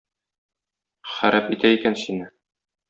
Харап итә икән сине.